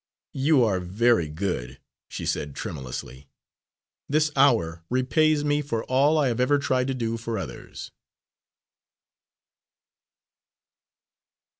"You are very good," she said tremulously. "This hour repays me for all I have ever tried to do for others."